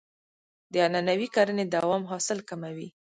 د عنعنوي کرنې دوام حاصل کموي.